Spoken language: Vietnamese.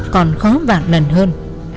còn khó vạn nần hơn